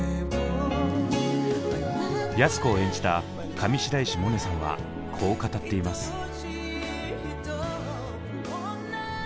安子を演じた上白石萌音さんはこう語っています。